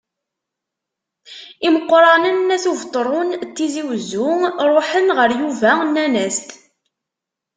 Imeqqranen n At Ubetṛun n Tizi Wezzu ṛuḥen ɣer Yuba, nnan-as-t.